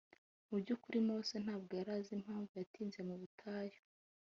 Mu by’ukuri Mose ntabwo yari azi impamvu yatinze mu butayu